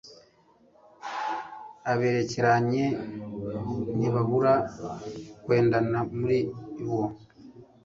aberekeranye ntibabura kwendana muri bo